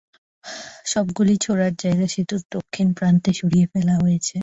সব গুলি ছোঁড়ার জায়গা সেতুর দক্ষিণ প্রান্তে সরিয়ে ফেলা হয়েছে।